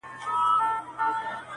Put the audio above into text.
هغې ته تېر ياد راځي ناڅاپه،